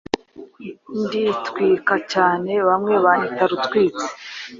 Nditwika cyane bamwe banyita Rutwitsi